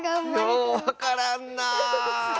ようわからんなあ。